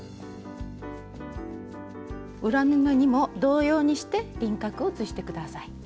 裏布にも同様にして輪郭を写して下さい。